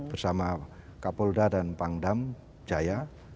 bersama kapolda dan pangdam jaya